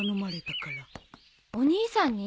お兄さんに？